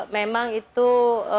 memang itu ya